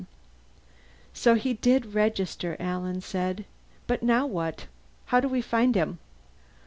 "So he did register," Alan said. "But now what? How do we find him?"